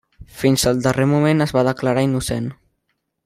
Fins al darrer moment es va declarar innocent.